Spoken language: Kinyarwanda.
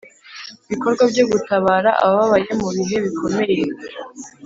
bikorwa byo gutabara abababaye mu bihe bikomeye.